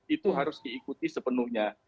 itu harus diikuti sepenuhnya